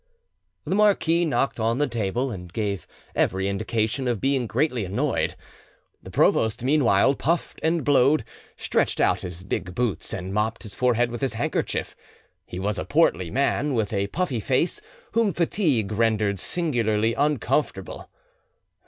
The marquis knocked on the table, and gave every indication of being greatly annoyed. The provost meanwhile puffed and blowed, stretched out his big boots, and mopped his forehead with his handkerchief. He was a portly man, with a puffy face, whom fatigue rendered singularly uncomfortable.